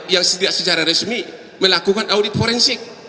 yang secara resmi melakukan audit forensik